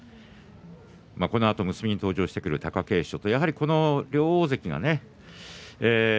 このあと結びに登場してくる貴景勝と両大関が。